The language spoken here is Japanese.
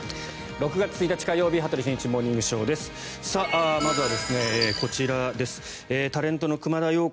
６月１日、火曜日「羽鳥慎一モーニングショー」。